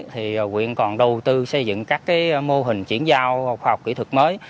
thì quyện còn đầu tư xây dựng các mô hình chuyển giao khoa học kỹ thuật mới